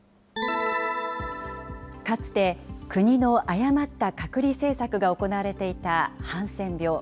かつて国の誤った隔離政策が行われていたハンセン病。